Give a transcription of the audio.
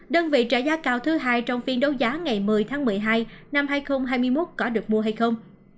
đơn vị trợ giá cao thứ hai trong phiên đấu giá ngày một mươi tháng một mươi hai năm hai nghìn hai mươi một có được mua hay không